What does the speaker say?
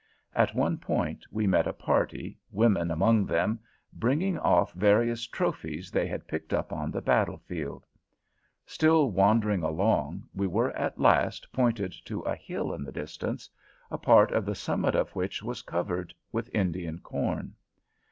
At one point we met a party, women among them, bringing off various trophies they had picked up on the battlefield. Still wandering along, we were at last pointed to a hill in the distance, a part of the summit of which was covered with Indian corn.